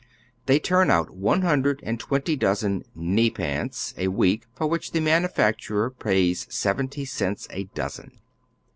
They turn out one hnndred and twenty dozen " knee pants " a week, for which the manufaetui ei pays seventy cents a dozen.